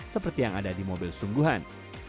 seperti yang ada di mobil sungguhan